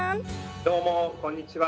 どうもこんにちは。